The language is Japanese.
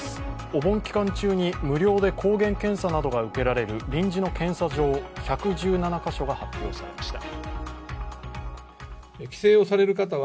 お盆期間中に無料で抗原検査などが受けられる臨時の検査場１１７カ所が発表されました。